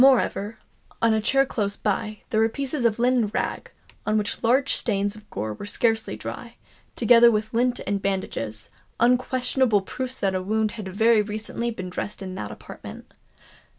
Moreover, on a chair close by, there were pieces of linen rag, on which large stains of gore were scarcely dry, together with lint and bandages—unquestionable proofs that a wound had very recently been dressed in that apartment.